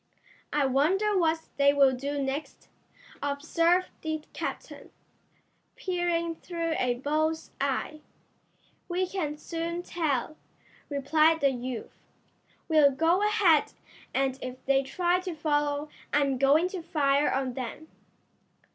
"I wonder what they will do next?" observed the captain, peering through a bull's eye. "We can soon tell," replied the youth. "We'll go ahead, and if they try to follow I'm going to fire on them."